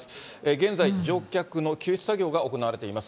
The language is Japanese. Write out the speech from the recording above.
現在、乗客の救出作業が行われています。